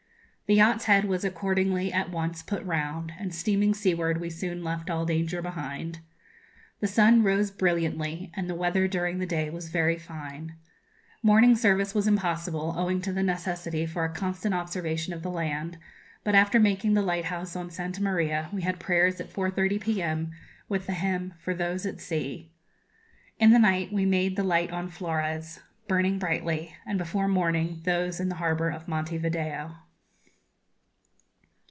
The yacht's head was accordingly at once put round, and steaming seaward we soon left all danger behind. The sun rose brilliantly, and the weather during the day was very fine. Morning service was impossible, owing to the necessity for a constant observation of the land; but, after making the lighthouse on Santa Maria, we had prayers at 4.30 p.m., with the hymn, 'For those at Sea.' In the night we made the light on Flores, burning brightly, and before morning those in the harbour of Monte Video.